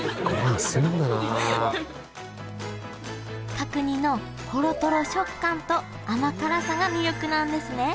角煮のほろトロ食感と甘辛さが魅力なんですね